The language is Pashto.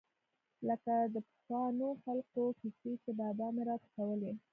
لکه د پخوانو خلقو کيسې چې بابا مې راته کولې.